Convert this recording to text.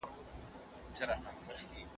د وخت پرېکړو ته به خود ښه راغلاست وايو